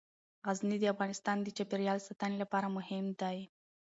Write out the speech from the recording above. غزني د افغانستان د چاپیریال ساتنې لپاره مهم دي.